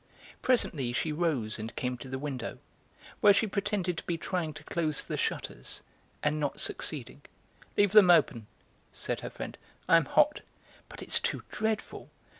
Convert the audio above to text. Presently she rose and came to the window, where she pretended to be trying to close the shutters and not succeeding. "Leave them open," said her friend. "I am hot." "But it's too dreadful!